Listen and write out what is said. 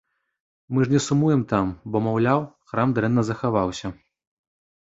Мы ж не сумуем там, бо, маўляў, храм дрэнна захаваўся!